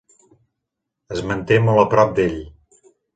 Es manté molt a prop d'ell.